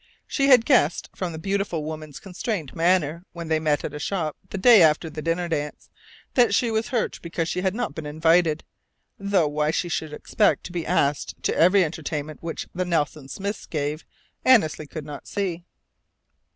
She had guessed, from the beautiful woman's constrained manner when they met at a shop the day after the dinner dance, that she was hurt because she had not been invited: though why she should expect to be asked to every entertainment which the Nelson Smiths gave, Annesley could not see.